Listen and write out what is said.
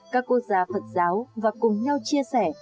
các quốc gia phật giáo và cùng nhau chia sẻ